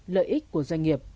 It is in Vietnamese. lợi ích của doanh nghiệp